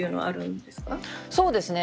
そうですね。